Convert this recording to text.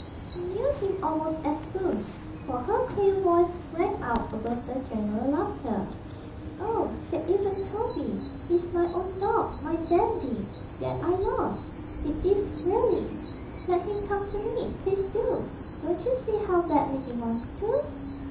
She knew him almost as soon, for her clear voice rang out above the general laughter. 'Oh, that isn't Toby he's my own dog, my Dandy, that I lost! It is really; let him come to me, please do! Don't you see how badly he wants to?'